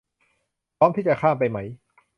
พร้อมที่จะข้ามไปไหม